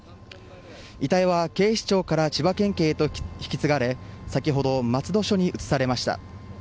遺体は警視庁から千葉県警へと引き継がれ先ほど、松戸署に移されました。